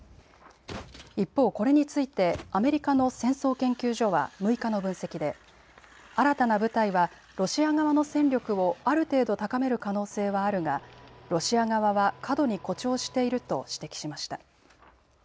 一方、これについてアメリカの戦争研究所は６日の分析で新たな部隊はロシア側の戦力をある程度高める可能性はあるがロシア側は過度に誇張していると指摘しました。